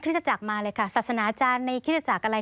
สตจักรมาเลยค่ะศาสนาจารย์ในคริสตจักรอะไร